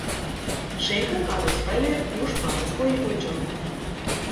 Շենքը կառուցվել է ուշ բարոկկոյի ոճով։